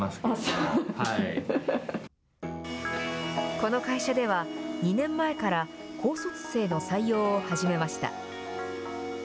この会社では、２年前から高卒生の採用を始めました。